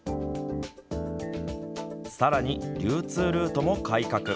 さらに、流通ルートも改革。